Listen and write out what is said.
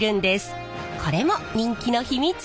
これも人気の秘密。